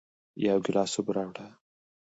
یو گیلاس اوبه راوړه